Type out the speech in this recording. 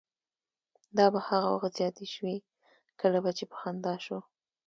دا به هغه وخت زیاتې شوې کله به چې په خندا شو.